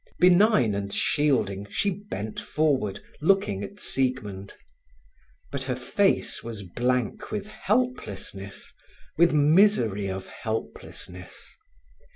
Benign and shielding, she bent forward, looking at Siegmund. But her face was blank with helplessness, with misery of helplessness.